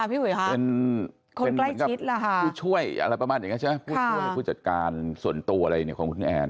เป็นถึงคนใกล้ชิดของผู้ช่วยเหมือนกับผู้จัดการส่วนตัวของพี่แอน